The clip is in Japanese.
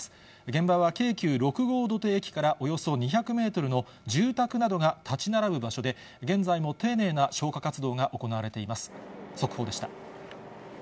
現場は京急六郷土手駅からおよそ２００メートルの住宅などが建ち並ぶ場所で、現在も丁寧な消火活動が行われています。